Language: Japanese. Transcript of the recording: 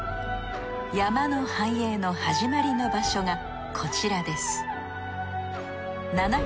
山の繁栄の始まりの場所がこちらです